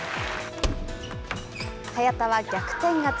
早田は逆転勝ち。